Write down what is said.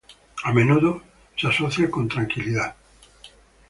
A menudo es asociado con "tranquilidad".